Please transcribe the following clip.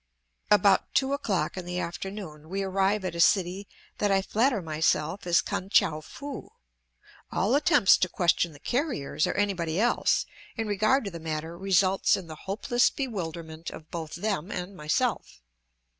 About two o'clock in the afternoon we arrive at a city that I flatter myself is Kan tchou foo; all attempts to question the carriers or anybody else in regard to the matter results in the hopeless bewilderment of both them and myself.